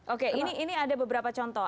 oke ini ada beberapa contoh